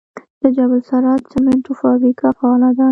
د جبل السراج سمنټو فابریکه فعاله ده؟